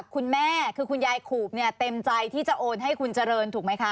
คุณแม่คือคุณยายขูบเนี่ยเต็มใจที่จะโอนให้คุณเจริญถูกไหมคะ